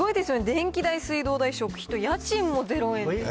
電気代、水道代、食費と家賃も０円。